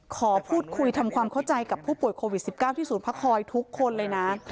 ขอพูดคุยทำความเข้าใจกับผู้ป่วยโควิด๑๙ที่ศูนย์พักคอยทุกคนเลยนะ